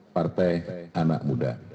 partai anak muda